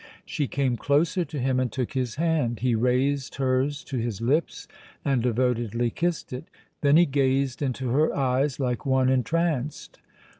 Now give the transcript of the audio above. She came closer to him and took his hand. He raised hers to his lips and devotedly kissed it. Then he gazed into her eyes like one entranced.